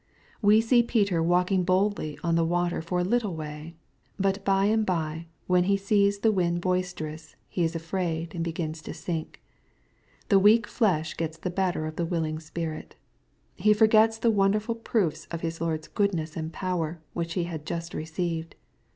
' We see Peter walking boldly on the water for a little way. But by and bye, when he sees " the wind boister j bus," he is afraid, and begins to sink. The weak flesh *gets the better of the willing spirit. He forgets the ' wonderful proofs of his Lord's goodness and power, which he had just received.